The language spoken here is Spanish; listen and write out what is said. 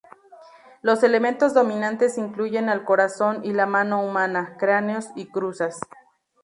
Los elementos dominantes incluyen al corazón y la mano humana, cráneos y cruzas.